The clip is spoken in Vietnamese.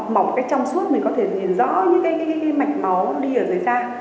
mọc cái trong suốt mình có thể nhìn rõ những cái mạch máu đi ở dưới da